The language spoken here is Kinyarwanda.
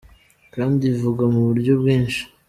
kandi ivuga mu buryo bwinshi.